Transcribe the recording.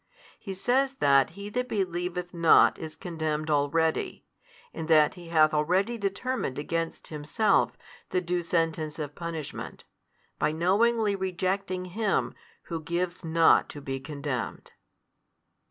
He says that he that believeth not is condemned already, in that he hath already determined against himself the due sentence of punishment, by knowingly rejecting Him Who gives not to be condemned.